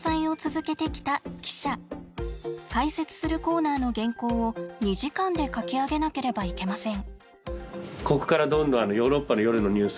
解説するコーナーの原稿を２時間で書き上げなければいけません。